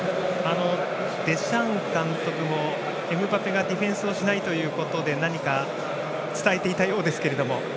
デシャン監督もエムバペがディフェンスをしないということで何か伝えていたようですが。